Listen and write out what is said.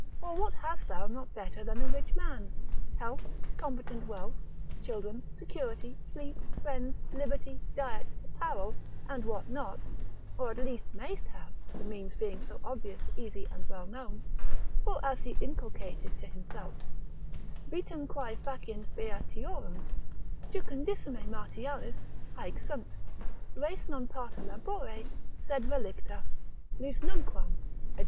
or what hast thou not better than a rich man? health, competent wealth, children, security, sleep, friends, liberty, diet, apparel, and what not, or at least mayst have (the means being so obvious, easy, and well known) for as he inculcated to himself, Vitam quae faciunt beatiorem, Jucundissime Martialis, haec sunt; Res non parta labore, sed relicta, Lis nunquam, &c.